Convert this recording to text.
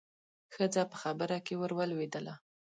ښځه په خبره کې ورولوېدله.